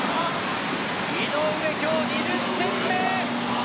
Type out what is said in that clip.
井上、今日２０点目！